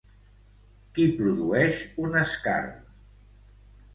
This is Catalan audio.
Qui produeix un escarn?